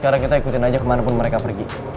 mending kita ikutin aja kemana pun mereka pergi